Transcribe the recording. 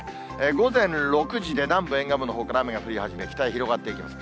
午前６時で南部沿岸部のほうから雨が降り始め、北へ広がっていきます。